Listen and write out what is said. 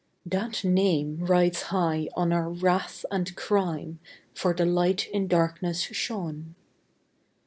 " That name rides high on our wrath and crime, For the Light in darkness shone.